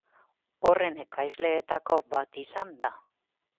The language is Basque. Horren ekoizleetako bat izan da.